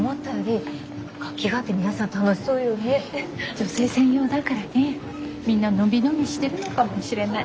女性専用だからねみんな伸び伸びしてるのかもしれない。